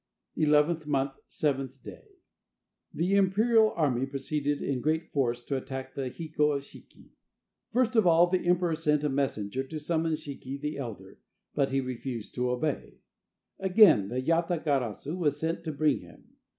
Eleventh month, 7th day. The imperial army proceeded in great force to attack the Hiko of Shiki. First of all the emperor sent a messenger to summon Shiki the elder, but he refused to obey. Again the Yata garasu was sent to bring him.